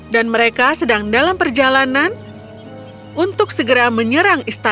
dan mereka sedang dalam perjalanan untuk segera menyerang istana